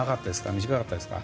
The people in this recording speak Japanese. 短かったですか？